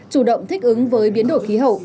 chủ động thích ứng với biến đổi khí hậu